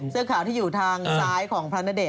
เสื้อขาวที่อยู่ทางซ้ายของพระณเดชน